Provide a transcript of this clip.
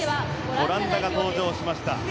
オランダが登場しました。